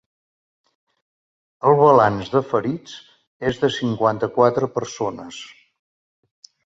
El balanç de ferits és de cinquanta-quatre persones.